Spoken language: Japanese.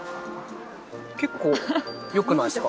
結構よくないですか？